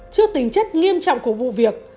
trước tình chất nghiêm trọng của vụ việc